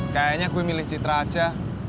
kayaknya gue milih citra aja